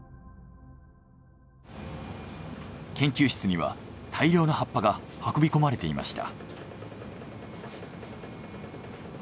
研究室には大量の葉っぱが運び込まれていました。